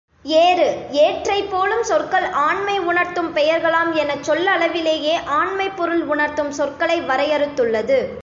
ஏறு, ஏற்றை போலும் சொற்கள் ஆண்மை உணர்த்தும் பெயர்களாம் எனச் சொல்லளவிலேயே ஆண்மைப் பொருள் உணர்த்தும் சொற்களை வரையறுத்துள்ளது.